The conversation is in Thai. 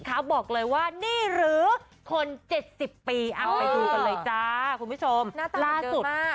เขาบอกเลยว่านี่หรือคน๗๐ปีเอาไปดูกันเลยคุณผู้ชมหน้าตาเลยเส้นเกินมาก